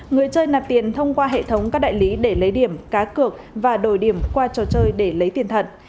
người chơi nạp tiền thông qua hệ thống các đại lý để lấy điểm cá cược và đổi điểm qua trò chơi để lấy tiền thật